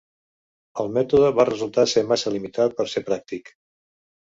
El mètode va resultar ser massa limitat per ser pràctic.